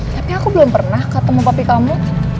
tapi aku belum pernah ketemu kopi kamu